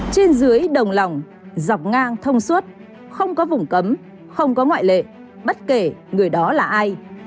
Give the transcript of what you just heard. trên dưới đồng lòng dọc ngang thông suốt không có vùng cấm không có ngoại lệ bất kể người đó là ai